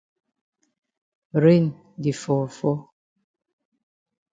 Rain di fall fall.